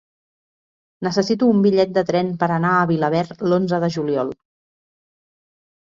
Necessito un bitllet de tren per anar a Vilaverd l'onze de juliol.